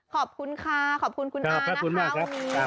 ขอบคุณค่ะขอบคุณคุณอานะคะวันนี้